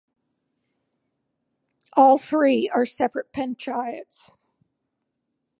All three are separate panchayats.